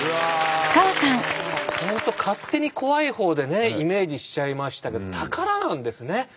本当勝手に怖い方でイメージしちゃいましたけど宝なんですね。